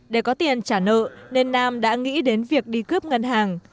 để có tiền trả nợ nên nam đã nghĩ đến việc đi cướp ngân hàng